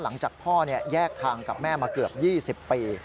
หลังจากพ่อแยกทางกับแม่มาเกือบ๒๐ปี